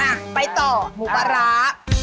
อ่ะไปต่อหมูปลาร้า